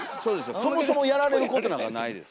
そもそもやられることなんかないです。